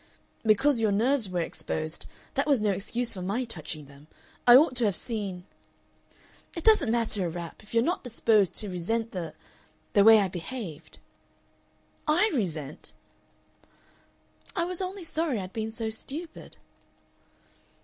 "Because your nerves were exposed, that was no excuse for my touching them. I ought to have seen " "It doesn't matter a rap if you're not disposed to resent the the way I behaved." "I resent!" "I was only sorry I'd been so stupid."